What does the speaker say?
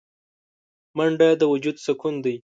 منډه د وجود سکون دی